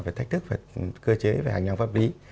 về thách thức về cơ chế về hành lang pháp lý